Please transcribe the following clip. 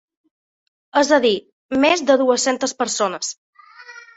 És a dir, més de dues-centes persones.